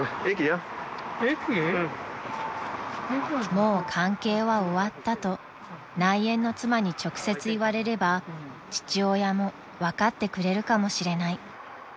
［もう関係は終わったと内縁の妻に直接言われれば父親も分かってくれるかもしれない］